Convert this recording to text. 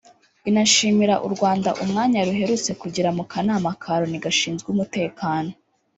inashimira u Rwanda umwanya ruherutse kugira mu Kanama ka Loni Gashinzwe Umutekano